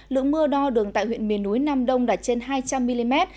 lượng mưa đo đường tại huyện miền núi nam đông đạt trên hai trăm linh mm